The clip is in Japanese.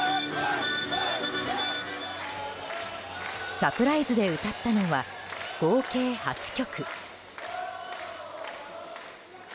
サプライズで歌ったのは合計８曲。